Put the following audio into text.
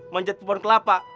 manjat peperang kelapa